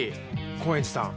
高円寺さん